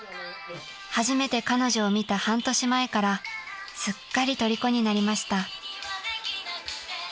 ［初めて彼女を見た半年前からすっかりとりこになりました］